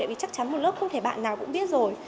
vì chắc chắn một lớp không thể bạn nào cũng biết rồi